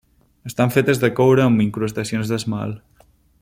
Estan fetes de coure amb incrustacions d'esmalt.